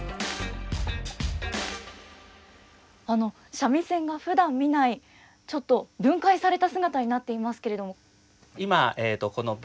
三味線がふだん見ないちょっと分解された姿になっていますけれども。